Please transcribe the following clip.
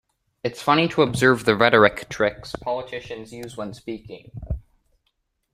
It's funny to observe the rhetoric tricks politicians use when speaking.